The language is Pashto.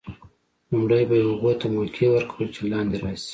لومړی به یې هغو ته موقع ور کول چې لاندې راشي.